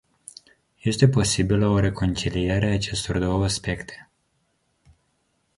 Este posibilă o reconciliere a acestor două aspecte.